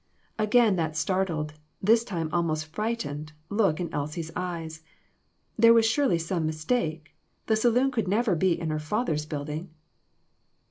Again that startled this time almost fright ened look in Elsie's eyes. There was surely some mistake. The saloon could never be in her father's building